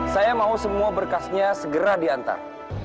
saya mau semua berkasnya segera diantar